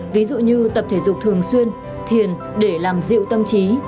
ví dụ như tập thể dục thường xuyên thiền để làm dịu tâm trí